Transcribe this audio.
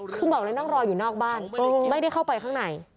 คือบอกเลยนั่งรออยู่นอกบ้านไม่ได้เข้าไปข้างใน